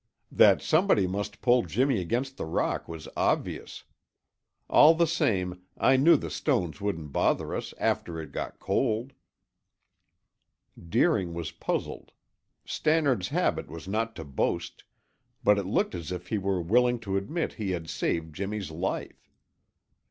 "That somebody must pull Jimmy against the rock was obvious. All the same, I knew the stones wouldn't bother us after it got cold." Deering was puzzled. Stannard's habit was not to boast, but it looked as if he were willing to admit he had saved Jimmy's life.